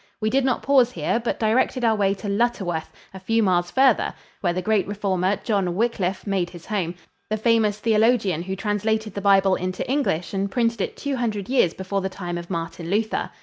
We did not pause here, but directed our way to Lutterworth, a few miles farther, where the great reformer, John Wyclif, made his home, the famous theologian who translated the bible into English and printed it two hundred years before the time of Martin Luther.